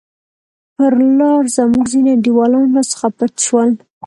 پر لار زموږ ځیني انډیوالان راڅخه پټ شول.